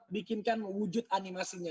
bikinkan wujud animasinya